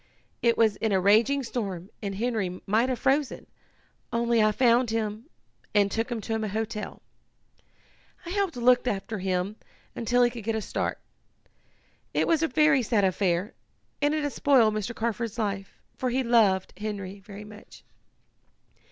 It was in a raging storm and Henry might have frozen, only I found him and took him to a hotel. I helped look after him until he could get a start. It was a very sad affair, and it has spoiled Mr. Carford's life, for he loved Henry very much."